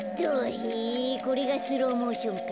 へえこれがスローモーションか。